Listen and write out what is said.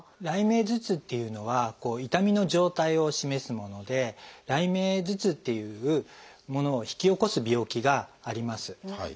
雷鳴頭痛っていうのは痛みの状態を示すもので雷鳴頭痛っていうものを引き起こす病気があります。